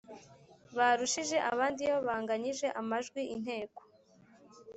barushije abandi Iyo banganyije amajwi Inteko